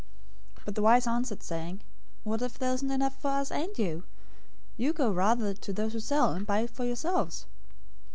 025:009 But the wise answered, saying, 'What if there isn't enough for us and you? You go rather to those who sell, and buy for yourselves.'